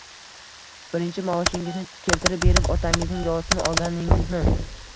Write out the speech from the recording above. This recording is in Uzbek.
Birinchi maoshingizni keltirib berib, otangizning duosini olganingizmi?